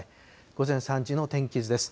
午前３時の天気図です。